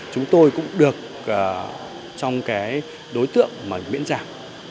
chúng tôi cũng được trong đối tượng miễn giảm